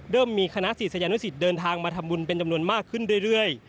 มีคณะศิษยานุสิตเดินทางมาทำบุญเป็นจำนวนมากขึ้นเรื่อย